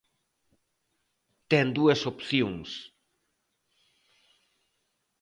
Ten dúas opcións.